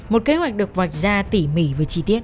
một kế hoạch được vạch ra tỉ mỉ và chi tiết